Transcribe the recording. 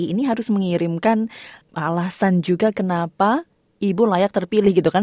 ini harus mengirimkan alasan juga kenapa ibu layak terpilih gitu kan